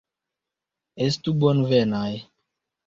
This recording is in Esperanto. Estu bonvenaj!